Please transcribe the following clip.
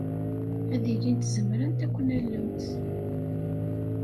Ad ilint zemrent ad ken-allent.